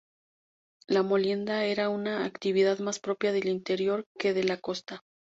La molienda era una actividad más propia del interior que de la costa.